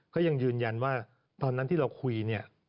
ก็ยังยืนยันว่าตอนนั้นที่เราคุยเนี่ย